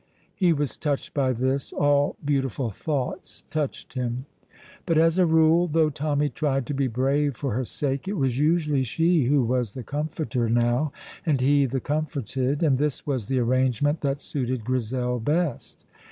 He was touched by this; all beautiful thoughts touched him. But as a rule, though Tommy tried to be brave for her sake, it was usually she who was the comforter now, and he the comforted, and this was the arrangement that suited Grizel best.